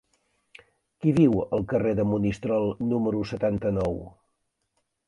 Qui viu al carrer de Monistrol número setanta-nou?